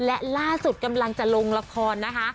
และล่าสุดกำลังจะลงละครนะคะ